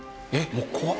もう怖っ。